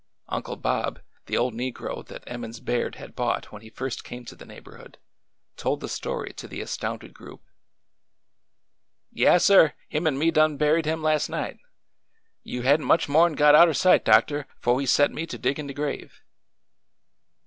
Uncle Bob, the old negro that Emmons Baird had bought when he first came to the neighborhood, told the story to the astounded group. Yaas, sir ; him an' me done buried him las' night. You had n't much more 'n got out er sight, doctor, 'fo' he set me to diggin' de grave."